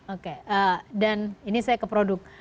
oke dan ini saya ke produk